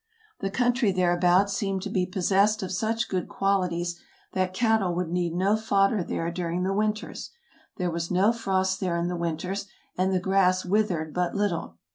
The country thereabouts seemed to be pos sessed of such good qualities that cattle would need no fodder there during the winters. There was no frost there in the winters, and the grass withered but little.